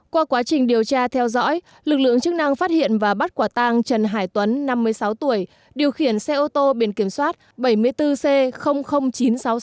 qua quá trình điều tra theo dõi lực lượng chức năng phát hiện và bắt quả tàng trần hải tuấn năm mươi sáu tuổi điều khiển xe ô tô biển kiểm soát bảy mươi bốn c chín trăm sáu mươi sáu